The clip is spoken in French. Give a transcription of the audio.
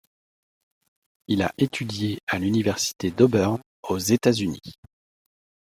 Il a étudié à l'Université d'Auburn aux États-Unis.